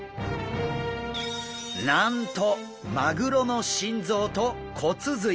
なんとマグロの心臓と骨髄！